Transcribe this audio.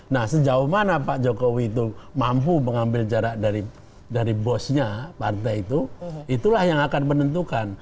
nah sejauh mana pak jokowi itu mampu mengambil jarak dari bosnya partai itu itulah yang akan menentukan